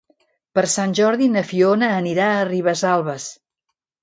Per Sant Jordi na Fiona anirà a Ribesalbes.